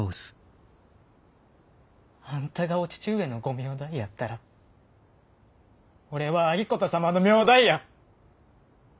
あんたがお父上のご名代やったら俺は有功様の名代や！